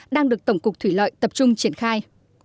đang được tổng cục thủy lợi tập trung triển khai